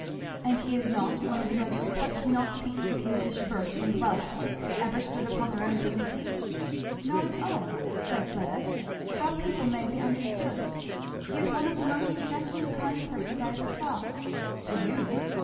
"And he is not one of the most touch me not pieces of English birth and wealth that ever stood upon their own dignity?" "Not at all!" said Fleda; "how people may be misunderstood! he is one of the most gentle and kind persons I ever saw." "To you!"